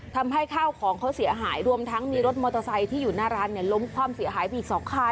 ทำให้ข้าวของเขาเสียหายรวมทั้งมีรถมอเตอร์ไซค์ที่อยู่หน้าร้านเนี่ยล้มความเสียหายไปอีก๒คัน